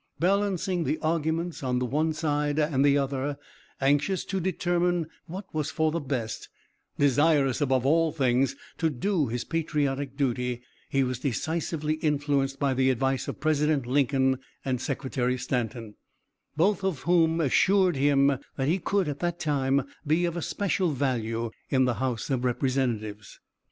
Balancing the arguments on the one side and the other, anxious to determine what was for the best, desirous above all things to do his patriotic duty, he was decisively influenced by the advice of President Lincoln and Secretary Stanton, both of whom assured him that he could, at that time, be of especial value in the House of Representatives.